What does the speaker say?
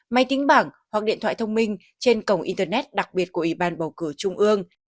máy tính bảng hoặc điện thoại thông minh trên cổng internet đặc biệt của ủy ban bầu cử trung ương